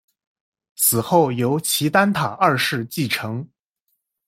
死后由齐丹塔二世继承。